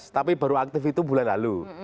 tapi baru aktif itu bulan lalu